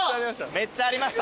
めっちゃありました。